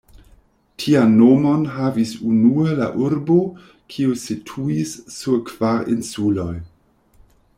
Tian nomon havis unue la urbo, kiu situis sur kvar insuloj.